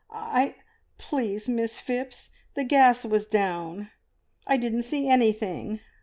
"I I please, Miss Phipps, the gas was down; I didn't see anything!"